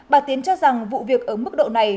bà tiến cho rằng vụ việc ở mức độ này